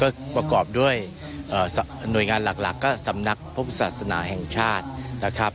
ก็ประกอบด้วยหน่วยงานหลักก็สำนักพุทธศาสนาแห่งชาตินะครับ